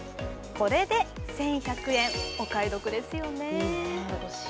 これで１１００円、お買い得ですよね。